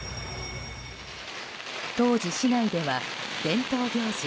当時、市内では伝統行事